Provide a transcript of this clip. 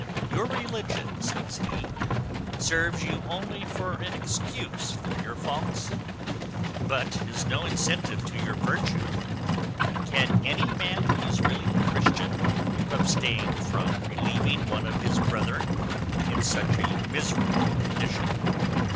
Your religion," says he, "serves you only for an excuse for your faults, but is no incentive to your virtue. Can any man who is really a Christian abstain from relieving one of his brethren in such a miserable condition?"